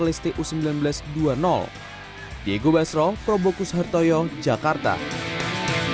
dan dengan hasil ini maka kamboja menyusul laos di peringkat kedua dengan perlahan yang sama yakni tiga poin